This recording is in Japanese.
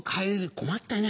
困ったよね？